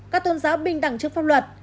các tôn giáo bình đẳng trước pháp luật